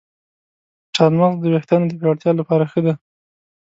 چارمغز د ویښتانو د پیاوړتیا لپاره ښه دی.